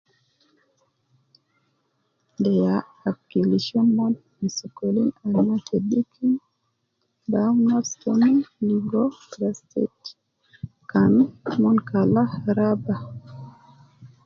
De ya akilisha mon fi sokolin al ma te dikin bi awun nafsi tomon ligo prostate, kaman kan mon kala raba